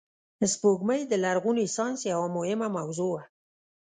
سپوږمۍ د لرغوني ساینس یوه مهمه موضوع وه